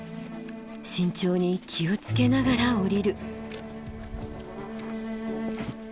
慎重に気を付けながら下りる。